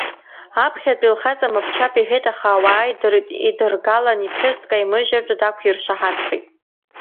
Аԥхьатәи лхаҵа мап-чап иҳәеит, аха ауаа идыргалан иԥҳәыс дкаимыжьыртә дақәиршаҳаҭхеит.